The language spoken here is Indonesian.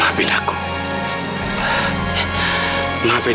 saya bergantung sama putri